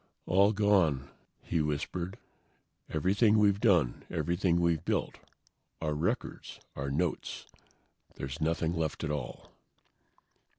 "All gone," he whispered. "Everything we've done; everything we've built. Our records, our notes. There's nothing left at all."